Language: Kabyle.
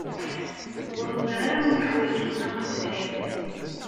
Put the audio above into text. Ur nwiɣ ara yuḥwaǧ Yuba ad t-nɛiwen.